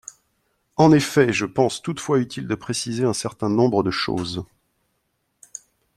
En effet ! Je pense toutefois utile de préciser un certain nombre de choses.